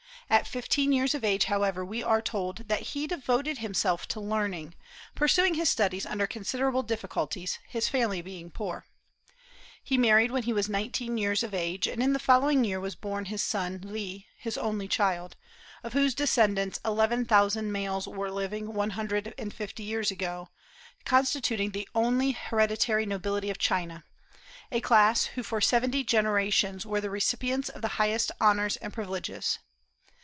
At fifteen years of age, however, we are told that he devoted himself to learning, pursuing his studies under considerable difficulties, his family being poor. He married when he was nineteen years of age; and in the following year was born his son Le, his only child, of whose descendants eleven thousand males were living one hundred and fifty years ago, constituting the only hereditary nobility of China, a class who for seventy generations were the recipients of the highest honors and privileges.